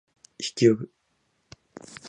筆記用具